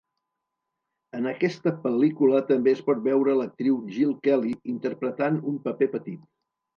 En aquesta pel·lícula també es pot veure l'actriu Jill Kelly interpretant un paper petit.